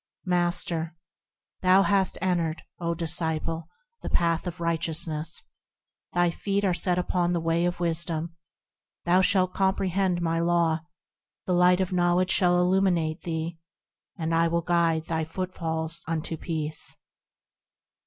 Master. Thou hast entered, O disciple ! the path of righteousness; Thy feet are set upon the way of wisdom ; Thou shalt comprehend my Law, The light of knowledge shall illumine thee. And I will guide thy footfalls unto peace.